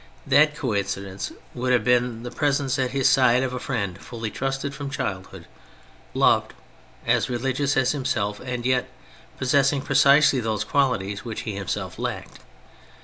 That coincidence would have been the presence at his side of a friend fully trusted from childhood, loved, as religious as himself, and yet possessing precisely those .qualities which he himself lacked.